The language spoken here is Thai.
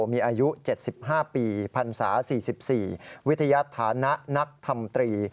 มีอายุ๗๕ปีพันศา๔๔วิทยาฐานะนักธรรมตรี